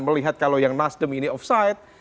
melihat kalau yang nasdem ini offside